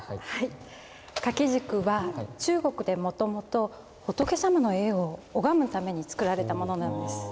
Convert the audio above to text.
掛軸は中国でもともと仏様の絵を拝むために作られたものなんです。